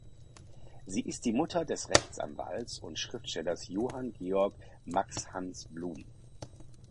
Sie ist die Mutter des Rechtsanwalts und Schriftstellers Johann Georg Max Hans Blum.